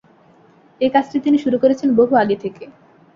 এই কাজটি তিনি শুরু করেছেন বহু আগে থেকে।